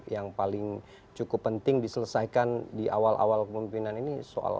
yang paling cukup penting diselesaikan di awal awal pemimpinan ini soal